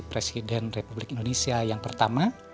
presiden republik indonesia yang pertama